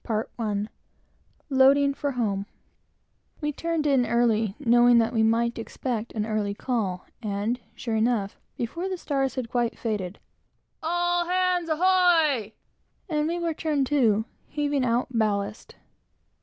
HOMEWARD BOUND We turned in early, knowing that we might expect an early call; and sure enough, before the stars had quite faded, "All hands ahoy!" and we were turned to, heaving out ballast.